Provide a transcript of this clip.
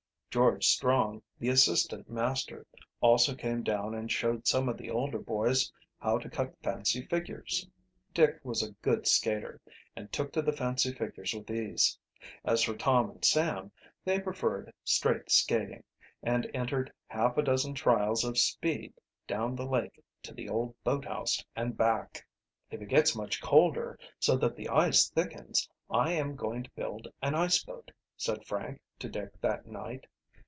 George Strong, the assistant master, also came down and showed some of the older boys how to cut fancy figures. Dick was a good skater, and took to the fancy figures with ease. As for Tom and Sam, they preferred straight skating, and entered half a dozen trials of speed down the lake to the old boathouse and back. "If it gets much colder, so that the ice thickens, I am going to build an ice boat," said Frank to Dick that night.